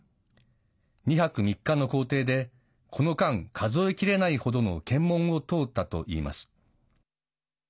２泊３日の行程でこの間、数え切れない程の検問を通ったといいます。